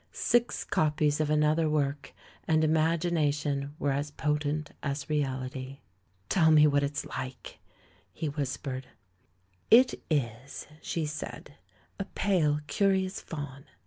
Six copies of another work, and im agination were as potent as reality. "Tell me what it's like," he whispered. "It is," she said, "a pale, curious fawn.